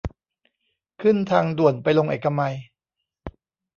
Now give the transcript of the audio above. ขึ้นทางด่วนไปลงเอกมัย